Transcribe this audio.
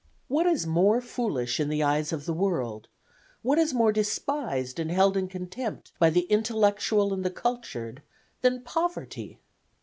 "What is more foolish in the eyes of the world; what is more despised and held in contempt by the intellectual and the cultured than poverty?